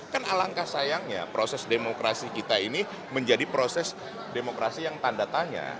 kan alangkah sayangnya proses demokrasi kita ini menjadi proses demokrasi yang tanda tanya